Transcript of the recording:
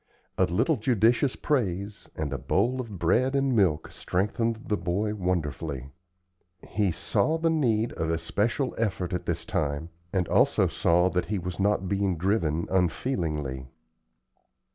A little judicious praise and a bowl of bread and milk strengthened the boy wonderfully. He saw the need of especial effort at this time, and also saw that he was not being driven unfeelingly.